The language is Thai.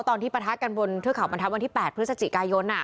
ตอนที่ปะทะกันบนเทือกเขาบรรทัศน์วันที่๘พฤศจิกายน